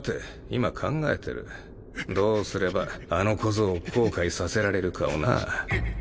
今考えてるどうすればあの小僧を後悔させられるかをな。